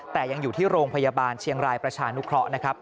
แต่ยังอยู่ที่โรงพยาบาลเชียงรายประชานุเคราะห์นะครับ